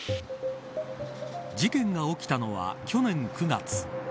事件が起きたのは去年９月。